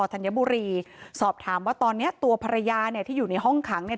ธัญบุรีสอบถามว่าตอนเนี้ยตัวภรรยาเนี่ยที่อยู่ในห้องขังเนี่ย